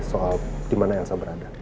soal dimana elsa berada